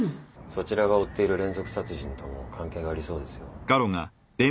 そちらが追っている連続殺人とも関係がありそうですよ。